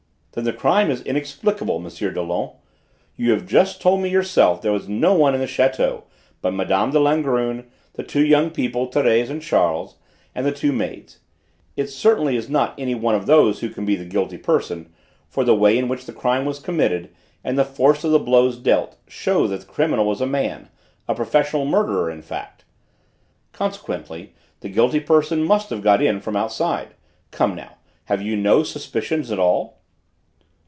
"Then the crime is inexplicable, M. Dollon. You have just told me yourself that there was no one in the château but Mme. de Langrune, the two young people Thérèse and Charles, and the two maids: it certainly is not any one of those who can be the guilty person, for the way in which the crime was committed, and the force of the blows dealt, show that the criminal was a man a professional murderer in fact. Consequently the guilty person must have got in from outside. Come now, have you no suspicions at all?"